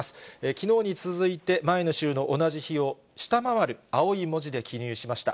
きのうに続いて、前の週の同じ日を下回る青い文字で記入しました。